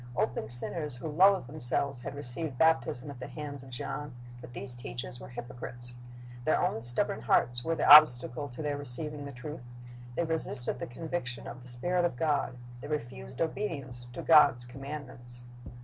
Open sinners who loathed themselves had received baptism at the hands of John; but these teachers were hypocrites. Their own stubborn hearts were the obstacle to their receiving the truth. They resisted the conviction of the Spirit of God. They refused obedience to God's commandments.